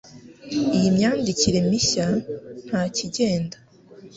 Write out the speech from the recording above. Iyi myandikire mishya ntakigenda